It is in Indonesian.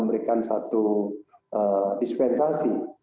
memberikan satu dispensasi